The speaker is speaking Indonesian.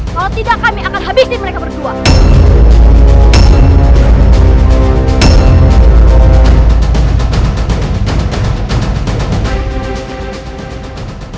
kalau tidak kami akan habisin mereka berdua